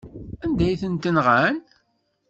Anda ay tent-nɣan?